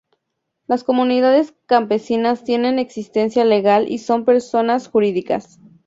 Las Comunidades Campesinas tienen existencia legal y son personas jurídicas.